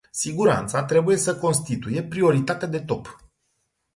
Siguranța trebuie să constituie prioritatea de top.